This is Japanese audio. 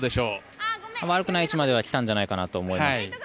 悪くない位置までは来たんじゃないかなと思います。